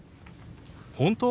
本当？